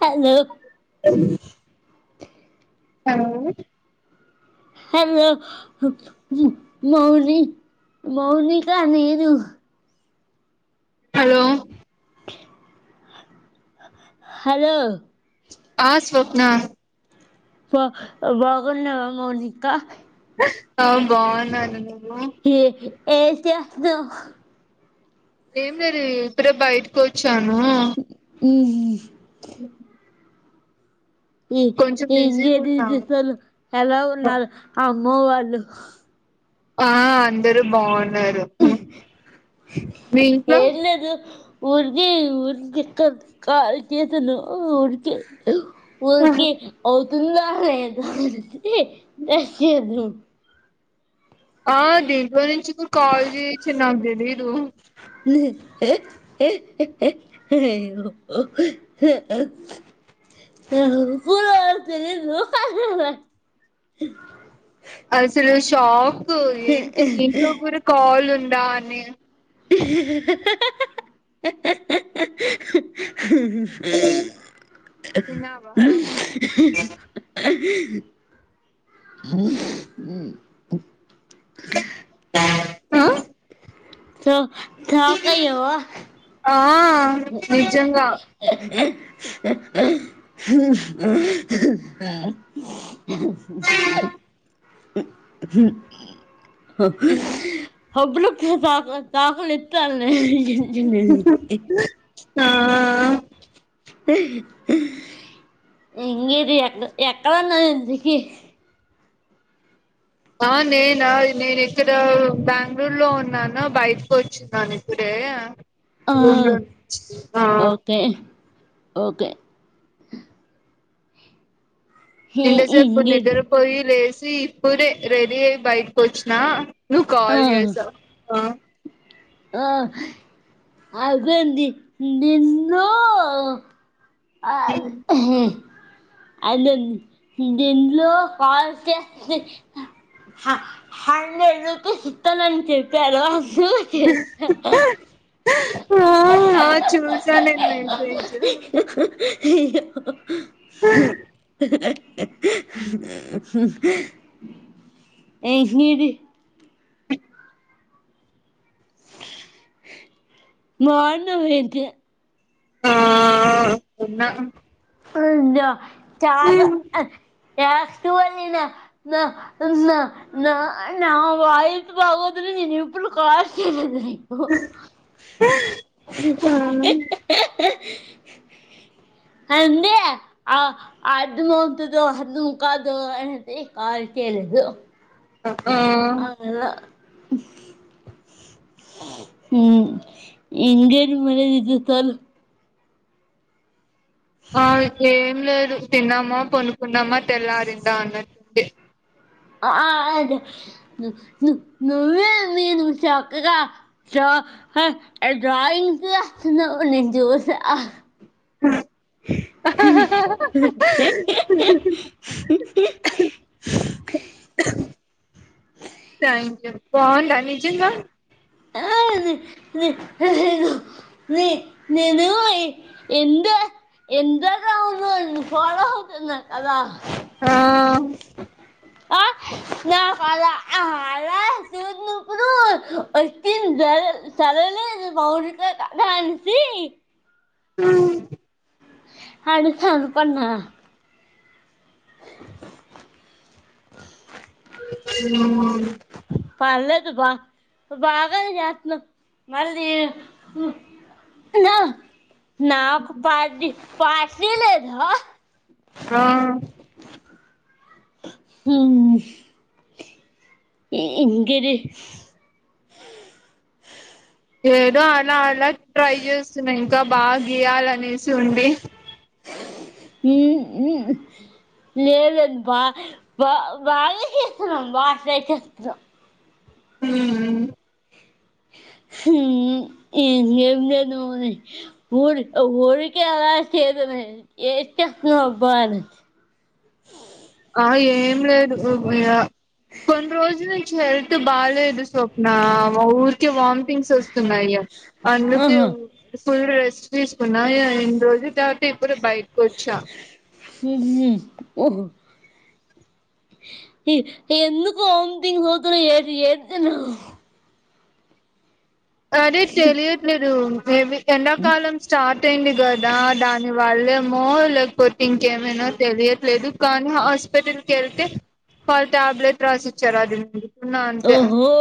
Hello అ hello hello మౌని మౌనిక నీరు హలో హలో ఆ స్వప్నా బ బగున్నవా మౌనిక ఆ బాగున్నాను నువ్వు ఏ ఏం చేస్తావ్ ఏం లేదు ఇప్పుడే బయటకొచ్చాను ఊహు అ ఈ ఇం బిజీగా ఉన్నా చలు ఎలా ఉన్నారు అమ్మ వాళ్ళు ఆ అందరూ బాగున్నారు మీ ఇంట్లో హఊర్గ ఉఊరి ఎక్క కాాలకి అతను ఉఊర్కి ఆహా ఉఊరికి అవుతుంద తెదు ఆ దీంట్లో నుంచి కూడా కాల్ జేయచ్చని నాకు తెలీదు నాకు కూడా ఏం తెలీదు అసలు షాక్ ఏంటి దీంట్లో కూడా కాల్ ఉందా అని విన్నావా హ సో సాకయ్యవా ఆ నిజంగా అబ్ తా తాకలు ఎత్తాల ఆ ఆ ఇంగేటి ఎక్క ఎక్కడున్నావింతకి ఆ నేనా నేనిక్కడ బెంగళూరు లో ఉన్నాను బయటకు వచ్చినాను ఇక్కడే ఆ ఓకే ఓకే నింట చెప్పు ఇంకేది నిద్దర పోయిలే ఇప్పుడే రెడీ అయ బైటికొచ్చినా నువ్వు కాల్ చేసావు ఆ [inaudible] నిన్ను ఆ ఉమ్. అ దీంట్లో హం ఎదతే సత్తనని చెప్పారు ఆ ా చూసానే మెసజ [unintelligible] [inaudible] బాన్నావ్ అయితే ఆ అంద చాలు [inaudible] ఇప్పుడు కాల్స్ ఓ ఎంతే ఆ అది మతుదో అందు ముకాదు అ క దు ఆ ఆ అలా హ్మ్ ఇంకేంటి మరి విశేషాలు ఆ ఏం లేదు తిన్నామా పనుకున్నామా తెల్లారిందా అన్నటే ఆ నువ్వే తిను చక్కగా చ హ హ డ్రాయింగ్స్ ఎస్తున్నావ్ నేను చూసా హా హా హా హా ఆ థ్యాంక్ యూ బాగుంద నిజంగా ఆ [unintelligible] ని నేను ఈ ఇన్స్టా ఇంస్టాగ్రామ్ లో నిన్ను ఫాలో అవుతున్న కదా ఆ ఆ నా కల అలా చూసినప్పుడు వచ్చింది డ్రాయింగ్ సరేలే బాగుంది కదా అనేసి హ్మ్ అడుగుదామనుకున్నా ఆ హ్మ్ పలేదు బా ను బాగానే చేస్తున్నావ్ మళ్ళీ ను నా నాకు పార్టీ పార్టీ లేదా ఆ హ్మ్ ఈ ఇంకేంటి ఎదో అలా అలా ట్రై చేస్తున్నా ఇంకా బాగా గీయాలనేసి ఉంది హ్మ్ హ్మ్ లేదు లేదు బా బ బాగా చేస్తున్నావ్ బ ట్రై చేస్తున్నవ్ ఉమ్ హు హ్మ్ హు ఇ ఏంచేస్తాం మరి ఊరి ఉరికి అలా చెస్ ఏ టెక్నో భారత్ ఉన్న కొన్ని రోజులు నుంచి హెల్త్ బాలేదు స్వప్నా ఆ ఊరికే వార్మిటింగ్స్ వస్తున్నాయి అందుకే ఆహా ఫుల్ రెస్ట్ తీసుకున్నా ఆ ఎన్ని రోజు కాబట్టి ఇప్పుడు బయటికివచ్చ ఉహు ఊగు ఎ ఎందుకు వామిటింగ్స్ అవతున్నాయి ఏట్ ఏటి తిన్నవ్ అదే తెలియట్లేదు ఏమి ఎండాకాలం స్టార్ట్ అయింది కదా దాని వల్ల మో లేకపోతే ఇంకేమైనా తెలియట్లేదు కానీ హాస్పిటల్ కి వెళ్తే ఫళ ట్యాబ్లేట్ రాసి ఇచ్చారు అడిగింది ఓహో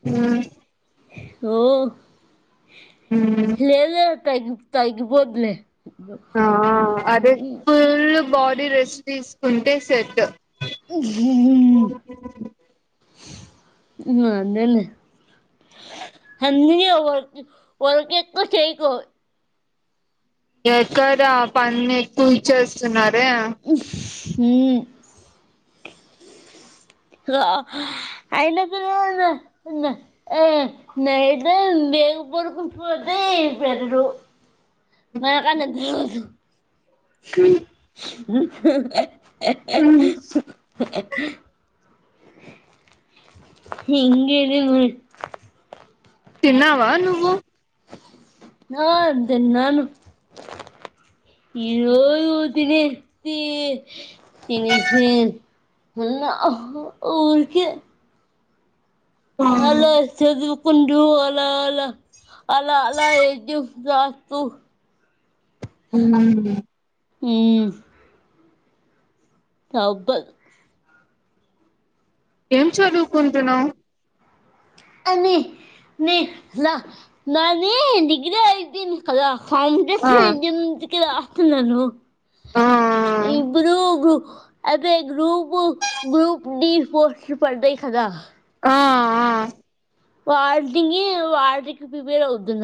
ఆ ఓ మ్మ్ లే లేద తాగ్ తగ్గిపోద్దిలే ఆ అదే ఫుల్ బాడీ రెస్ట్ తీసుకుంటే సెట్ ఊ ఉ అదేలే అన్ని వర్ వర్క్ ఎక్కువ చేయకు ఎక్కడా పని ఎక్కువ ఇచ్చేస్తున్నారు ఉహు ఆ అయిన కూడా నా నా ఆ నైట్ ఆ తెగ పురుగు పోతే బెటరు మనకంటే తెలవదు ఉ [unintelligible] తిన్నావా నువ్వు నా తిన్నాను ఈ రోజు తినేసి తినేసి మొన్న ఊరికే హలో చదుగు కుండ్రు అలా అలా అలా అలా ఎద్ దాస్తు హుమ్ హుమ్ చబ్బ ఏం చదువుకుంటున్నావ్ అని నీ లా నానీ డిగ్రీ అయిపోయింది కలా ఆ కాంపిటీషన్ ఎగ్జామ్స్ కి రాస్తున్నాను ఆ ఇప్పుడు గ్రూ అంటే గ్రూపు గ్రూప్ డి పోస్ట్లు పడ్డాయి కదా ఆ ఆ వాటికి, వాటికి ప్రిపేర్ అవుతున్న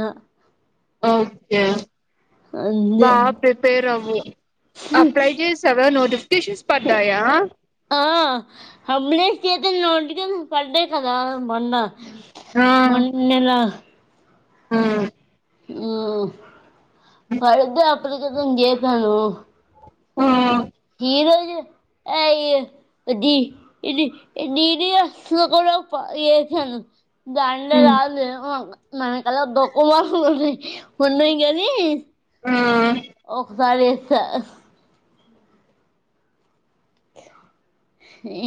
ఓకే అంతే బా ప్రిపేర్ అవ్వు అప్లై చేసావా నోటి ఆ అప్లై చేశాను పడ్డాయి కదా మన్నా ఆ మొన్న నెల ఉమ్ హు పడితే అప్లికేషన్ చేశాను ఆ ఈ రోజు అయి అది ఇది డీడీఎస్ కూడ చేసాను దండిగా ఉమ్, రాద్ ఏమో మనకల్ల తక్కువ మార్క్స్ వస్తయి ఆ, ఒకసారి ఏస్తా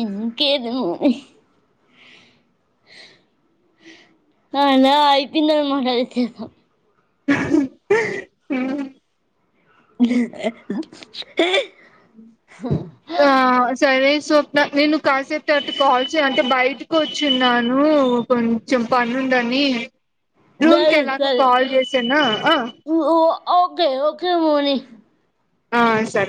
ఇంకేదు [unintelligible] అలా అయిపోయిందనమాట అది చేసాం హుమ్ ఆ సరే స్వప్న నేను కాసేపు తర్వాత కాల్ చేయ్ అంటే బయటకి వచ్చిన్నాను ఓ కొంచెం పనుందని రూమ్ సరే కెళ్లకా సరే కాల్ చేసేనా ఆ ఆ ఓకే ఓకే మోని ఆ సరే